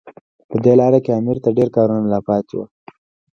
په دې لاره کې امیر ته ډېر کارونه لا پاتې وو.